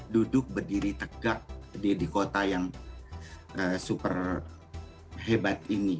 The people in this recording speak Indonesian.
duduk berdiri tegak di kota yang super hebat ini